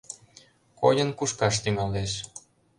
Койын кушкаш тӱҥалеш.